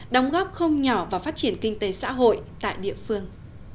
đóng góp không nhỏ vào phát triển kinh tế xã hội tại địa phương